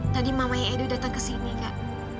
tadi mamanya edo datang ke sini kak